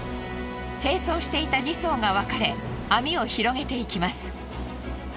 並走していた２艘が分かれ網を広げていきます。